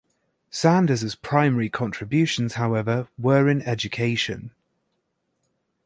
Sanders's primary contributions, however, were in education.